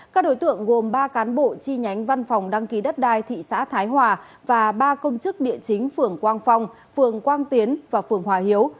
các đối tượng gồm ba cán bộ chi nhánh văn phòng đăng ký đất đai thị xã thái hòa và ba công chức địa chính phường quang phong phường quang tiến và phường hòa hiếu